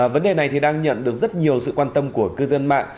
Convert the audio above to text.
vấn đề này thì đang nhận được rất nhiều sự quan tâm của cư dân mạng